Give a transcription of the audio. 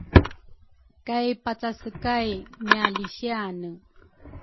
kay pacase kay ngialisiane.